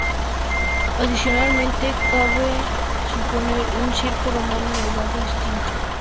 Adicionalmente, cabe suponer un circo romano en un barrio distinto de la ciudad.